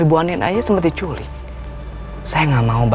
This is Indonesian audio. sebaiknya kita ikut unsafe ke rumah mereka